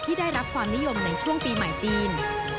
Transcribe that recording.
ได้รับความนิยมในช่วงปีใหม่จีน